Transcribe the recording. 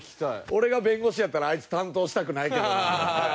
俺が弁護士やったらあいつ担当したくないけどな。